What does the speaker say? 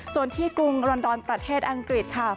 ส่วนที่กรุงรอนดอนประเทศอังกฤษค่ะ